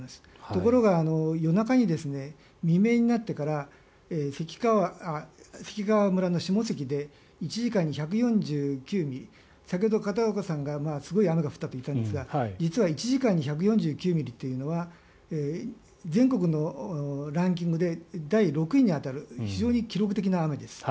ところが、夜中に未明になってから関川村の下関で１時間に１４９ミリ先ほど、片岡さんがすごい雨が降ったと言ったんですが実は１時間に１４９ミリというのは全国のランキングで第６位に当たる非常に記録的な雨です。